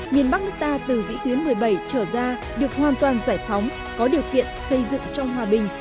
miền bắc nước ta từ vĩ tuyến một mươi bảy trở ra được hoàn toàn giải phóng có điều kiện xây dựng cho hòa bình